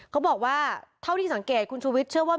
เขาบอกว่าเท่าที่สังเกตคุณชูวิทย์เชื่อว่า